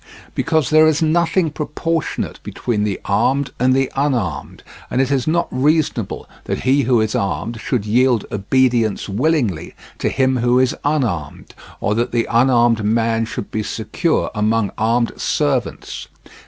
Because there is nothing proportionate between the armed and the unarmed; and it is not reasonable that he who is armed should yield obedience willingly to him who is unarmed, or that the unarmed man should be secure among armed servants.